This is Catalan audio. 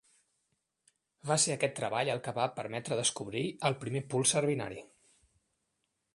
Va ser aquest treball el que va permetre descobrir el primer púlsar binari.